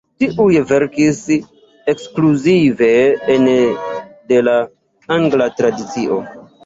Tiuj verkis ekskluzive ene de la angla tradicio.